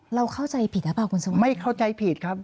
เราเข้าใจผิดหรือเปล่าคุณสวัสไม่เข้าใจผิดครับ